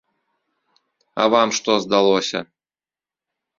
А вам што здалося?